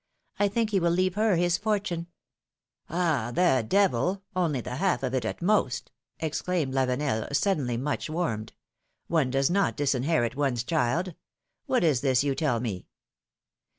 I think he will leave her his fortune.^^ ^^Ah ! the devil! Only the half of it, at most!'^ exclaimed Lavenel, suddenly, much warmed. '^One does not disinherit one's child. What is this you tell me?"